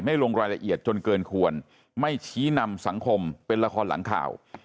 ลงรายละเอียดจนเกินควรไม่ชี้นำสังคมเป็นละครหลังข่าว